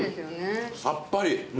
さっぱり！